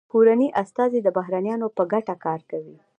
کورني استازي د بهرنیانو په ګټه کار کوي